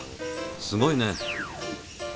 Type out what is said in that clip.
すごいね。